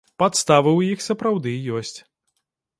Падставы ў іх, сапраўды, ёсць.